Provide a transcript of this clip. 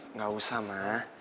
enggak usah ma